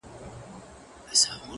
ټولوي مینه عزت او دولتونه -